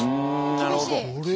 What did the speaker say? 厳しい。